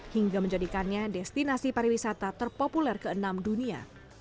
hingga menjadikannya destinasi pariwisata terpopuler ke enam dunia